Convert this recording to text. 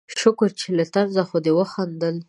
شکر چې له طنزه خو دې وخندل